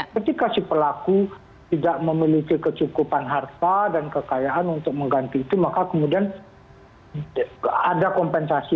ketika si pelaku tidak memiliki kecukupan harta dan kekayaan untuk mengganti itu maka kemudian ada kompensasi